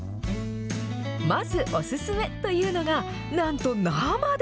まずお勧めというのが、なんと生で。